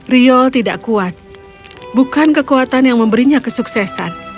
riol tidak kuat bukan kekuatan yang memberinya kesuksesan